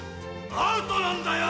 アウトなんだよ！！